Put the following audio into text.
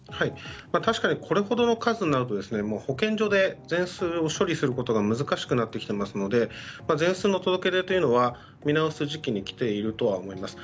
確かにこれほどの数になると保健所で全数を処理することが難しくなってきていますので全数の届け出というのは見直す時期に来ているとは思います。